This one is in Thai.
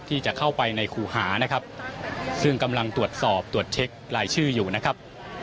ที่จะเข้าไปในคู่หานะครับซึ่งกำลังตรวจสอบตรวจเช็ครายชื่ออยู่นะครับ